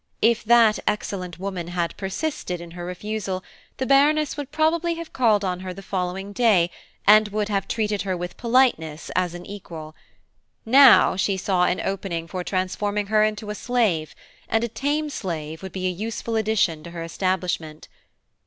If that excellent woman had persisted in her refusal, the Baroness would probably have called on her the following day, and would have treated her with politeness as an equal. Now she saw an opening for transforming her into a slave, and a tame slave would be a useful addition to her establishment.